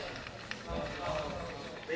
nah wnisi troua